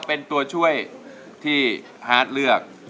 เป็นตัวช่วยที่ฮาร์ดเลือก